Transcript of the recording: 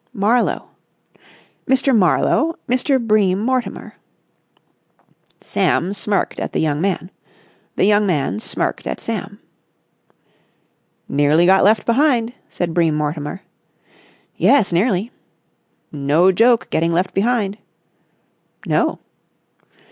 "Marlowe." "Mr. Marlowe. Mr. Bream Mortimer." Sam smirked at the young man. The young man smirked at Sam. "Nearly got left behind," said Bream Mortimer. "Yes, nearly." "No joke getting left behind." "No."